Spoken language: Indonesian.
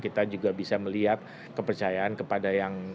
kita juga bisa melihat kepercayaan kepada yang